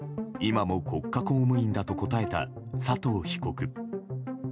今も国家公務員だと答えた佐藤被告。